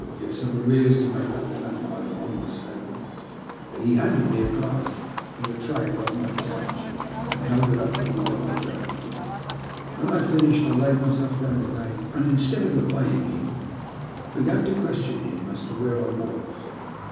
You have some arrears to make up in that line, or I'm mistaken.'* He handed me a glass from the tray above my couch, and held it for me while I drank. When I had WE ABS SAVED. 901 finished I laid myself down again, and, instead of obejTing him, began to question him as to where I was.